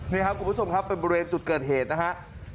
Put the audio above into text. นี่ครับคุณผู้ชมครับเป็นบริเวณจุดเกิดเหตุนะฮะ